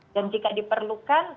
dan jika diperlukan